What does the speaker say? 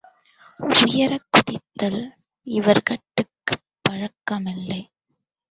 உயரக் குதித்தல் இவர்கட்குப் பழக்கமில்லை.